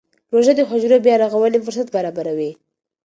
روژه د حجرو بیا رغونې فرصت برابروي.